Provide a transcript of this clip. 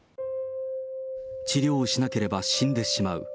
治療しなければ死んでしまう。